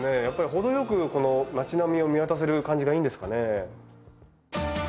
やっぱり程よく町並みを見渡せる感じがいいんですかね。